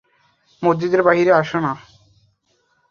মসজিদের বাহিরে আসে না।